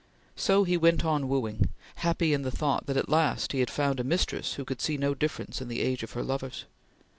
So he went on wooing, happy in the thought that at last he had found a mistress who could see no difference in the age of her lovers.